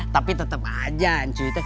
tapi tetap aja ancu